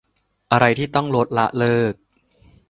อะไรที่ต้องลด ละ เลิก